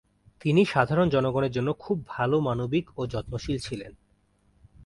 তিনি সাধারণ জনগণের জন্য খুব ভাল মানবিক ও যত্নশীল ছিলেন।